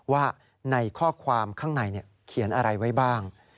ว่าในข้อความข้างในเขียนอะไรไว้บ้าง